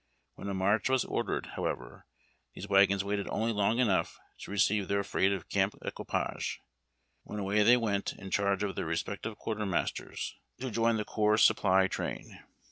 When a march was ordered, however, these wagons waited only long enough to receive their freight of camp equipage, when away they went in charge of their respective (quartermasters to join the corps supply train.